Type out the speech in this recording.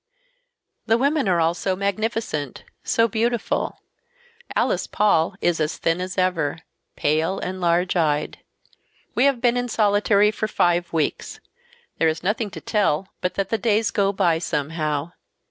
"The women are all so magnificent, so beautiful. Alice Paul is as thin as ever, pale and large eyed. We have been in solitary for five weeks. There is nothing to tell but that the days go by somehow.